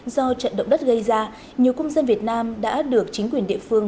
do trận động đất gây ra nhiều công dân việt nam đã được chính quyền địa phương